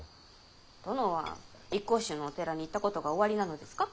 殿は一向宗のお寺に行ったことがおありなのですか？